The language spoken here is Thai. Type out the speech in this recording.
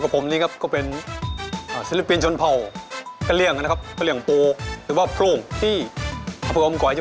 พี่ภูมิตรองคะแนนเข้าท้องไปเลย